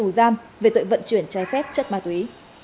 tù giam về tội vận chuyển trái phép chất ma túy